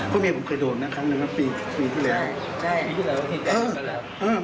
พ่อแม่ผมเคยโดนนะครั้งหนึ่งปีที่ที่แล้ว